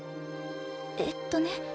えっとね